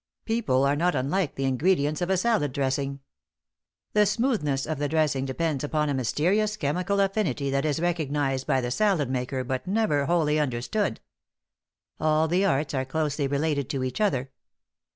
People are not unlike the ingredients of a salad dressing. The smoothness of the dressing depends upon a mysterious chemical affinity that is recognized by the salad maker but never wholly understood. All the arts are closely related to each other.